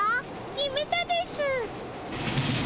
決めたです。